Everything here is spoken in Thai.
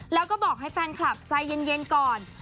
แล้วก็บอกให้แฟนคลับใจเย็นก่อน